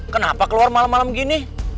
kenapa keluar malam malam gini